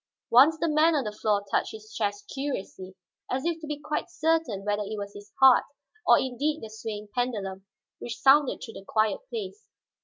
Once the man on the floor touched his chest curiously, as if to be quite certain whether it was his heart, or indeed the swaying pendulum which sounded through the quiet place.